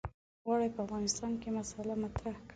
غواړي په افغانستان کې مسأله مطرح کړي.